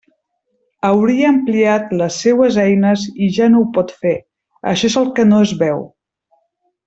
Hauria ampliat les seues eines i ja no ho pot fer, això és el que no es veu.